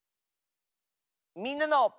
「みんなの」。